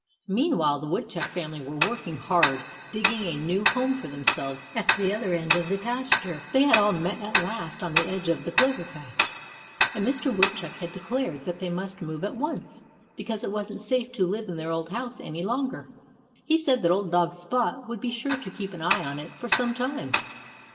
Meanwhile the Woodchuck family were working hard, digging a new home for themselves at the other end of the pasture. They had all met at last on the edge of the clover patch. And Mr. Woodchuck had declared that they must move at once, because it wasn't safe to live in their old house any longer. He said that old dog Spot would be sure to keep an eye on it for some time.